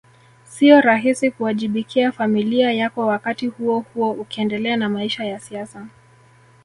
Sio rahisi kuwajibikia familia yako wakati huohuo ukiendelea na maisha ya siasa